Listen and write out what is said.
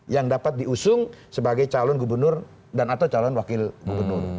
yang dapat diusung sebagai calon gubernur dan atau calon wakil gubernur